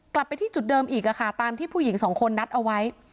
กลับไปที่จุดเดิมอีกค่ะตามที่ผู้หญิงสองคนนัดเอาไว้